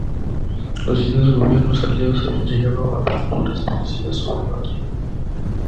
Los distintos gobiernos aliados habían llegado a posturas parecidas sobre Madrid.